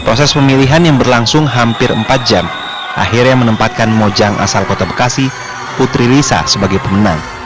proses pemilihan yang berlangsung hampir empat jam akhirnya menempatkan mojang asal kota bekasi putri lisa sebagai pemenang